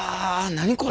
何これ。